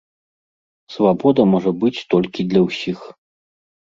Свабода можа быць толькі для ўсіх.